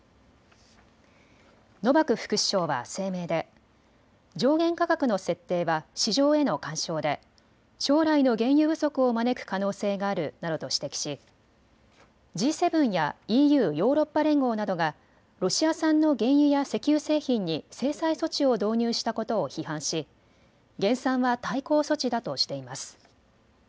ノバク副首相は声明で上限価格の設定は市場への干渉で将来の原油不足を招く可能性があるなどと指摘しＧ７やＥＵ・ヨーロッパ連合などがロシア産の原油や石油製品に制裁措置を導入したことを批判し減産は対抗措置だとしています。